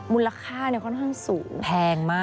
มูลค่าเนี่ยก็น่าสูงแพงมาก